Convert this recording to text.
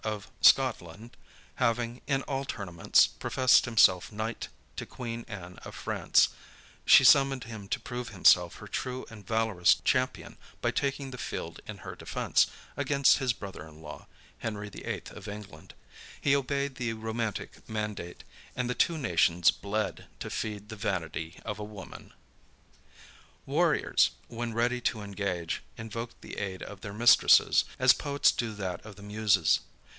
of Scotland, having, in all tournaments, professed himself knight to queen Anne of France, she summoned him to prove himself her true and valorous champion, by taking the field in her defence, against his brother in law, Henry VIII. of England. He obeyed the romantic mandate; and the two nations bled to feed the vanity of a woman. Warriors, when ready to engage, invoked the aid of their mistresses, as poets do that of the Muses.